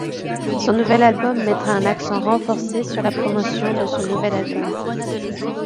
Son nouvel album mettra un accent renforcé sur la promotion de son nouvel album.